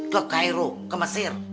ke cairo ke mesir